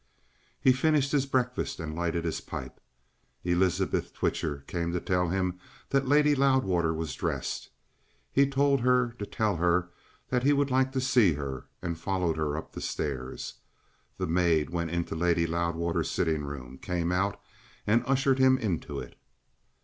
He finished his breakfast and lighted his pipe. Elizabeth Twitcher came to tell him that Lady Loudwater was dressed. He told her to tell her that he would like to see her, and followed her up the stairs. The maid went into Lady Loudwater's sitting room, came out, and ushered him into it.